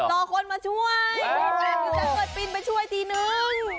ตอคนมาช่วยกินจันเกิดปีนไปช่วยทีนึง